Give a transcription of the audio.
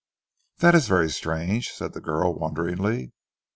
"That is very strange," said the girl wonderingly.